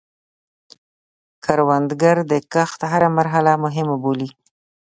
کروندګر د کښت هره مرحله مهمه بولي